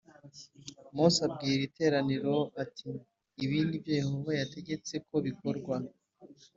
Mose abwira iteraniro ati ibi ni byo yehova yategetse ko bikorwa